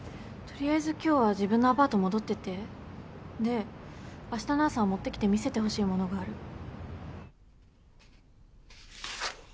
取りあえず今日は自分のアパート戻ってて。であしたの朝持ってきて見せてほしいものがある。